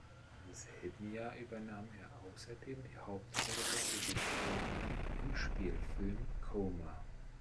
Im selben Jahr übernahm er außerdem die Hauptrolle des "Victor" im Spielfilm "Coma".